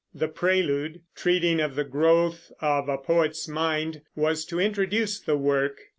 The Prelude, treating of the growth of a poet's mind, was to introduce the work.